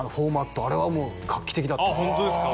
「あれはもう画期的だ」ってあっホントですか？